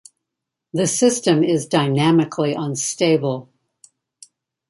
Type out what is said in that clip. The system is dynamically unstable.